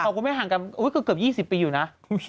คุณแม่ห่างกันเกือบ๒๐ปีอยู่นะ